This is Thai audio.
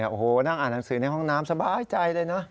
โอ้โหนั่งอ่านหนังสือในห้องน้ำสบายใจเลยนะ